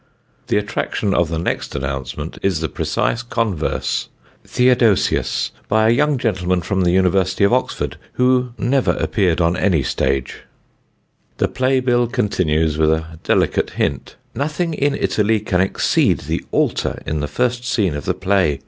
The attraction of the next announcement is the precise converse: "Theodosius, by a young gentleman from the University of Oxford, who never appeared on any stage." [Sidenote: NOBILITY AND THE ALTAR] The play bill continues with a delicate hint: "Nothing in Italy can exceed the altar in the first scene of the play.